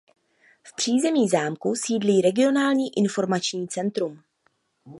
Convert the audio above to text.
V přízemí zámku sídlí Regionální informační centrum.